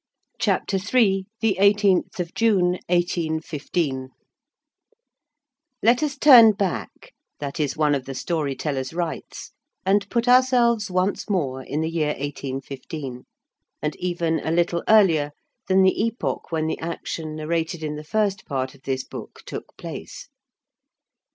_ CHAPTER III—THE EIGHTEENTH OF JUNE, 1815 Let us turn back,—that is one of the story teller's rights,—and put ourselves once more in the year 1815, and even a little earlier than the epoch when the action narrated in the first part of this book took place.